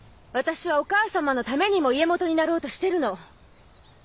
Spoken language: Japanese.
私はお母様のためにも家元になろうとしてるの。